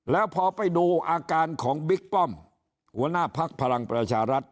แล้วพอไปดูอาการของบิ๊กป้อมหัวหน้าภักดิ์พลังประชารัฐ